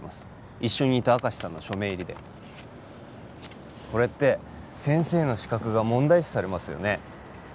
一緒にいた明石さんの署名入りでこれって先生の資格が問題視されますよね